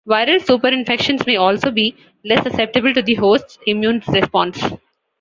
Viral superinfections may also be less susceptible to the host's immune response.